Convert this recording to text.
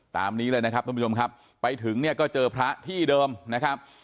ตามนี้เลยนะครับท่านผู้ชมครับไปถึงเนี่ยก็เจอพระที่เดิมนะครับ